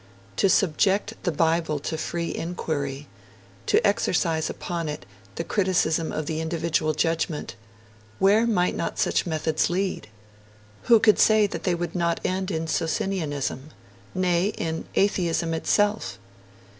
To subject the Bible to free inquiry, to exercise upon it the criticism of the individual judgment where might not such methods lead? Who could say that they would not end in Socinianism? nay, in Atheism itself?